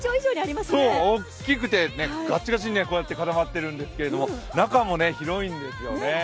大きくてガッチガチに固まってるんですけど、中も広いんですよね。